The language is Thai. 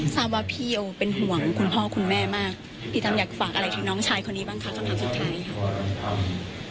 ทราบว่าพี่โอเป็นห่วงคุณพ่อคุณแม่มากพี่ตำอยากฝากอะไรถึงน้องชายคนนี้บ้างคะคำถามสุดท้ายค่ะ